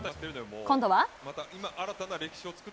今度は。